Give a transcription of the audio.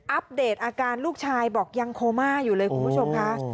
อัปเดตอาการลูกชายบอกยังโคม่าอยู่เลยคุณผู้ชมค่ะ